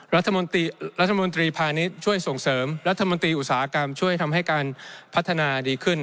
รัฐมนตรีพาณิชย์ช่วยส่งเสริมรัฐมนตรีอุตสาหกรรมช่วยทำให้การพัฒนาดีขึ้น